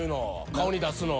顔に出すの。